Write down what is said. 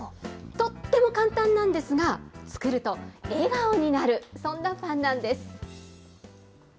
とっても簡単なんですが、作ると笑顔になる、そんなパンなんです。